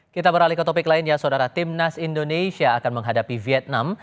kita beralih ke topik lainnya saudara timnas indonesia akan menghadapi vietnam